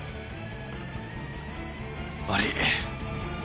悪い。